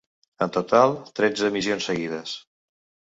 En total, tretze emissions seguides.